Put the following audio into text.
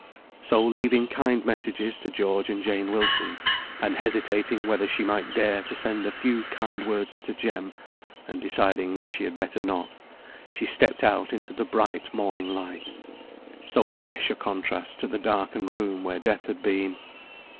So leaving kind messages to George and Jane Wilson, and hesitating whether she might dare to send a few kind words to Jem, and deciding that she had better not, she stepped out into the bright morning light, so fresh a contrast to the darkened room where death had been.